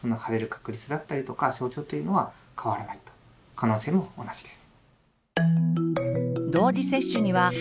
可能性も同じです。